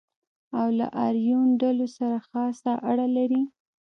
او له آریون ډلو سره خاصه اړه لري.